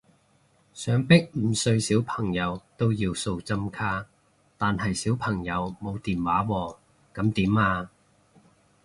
想逼五歲小朋友都要掃針卡，但係小朋友冇電話喎噉點啊？